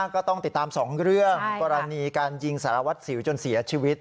ก็ต้องติดตาม๒เรื่องกรณีการยิงสารวัตรสิวจนเสียชีวิต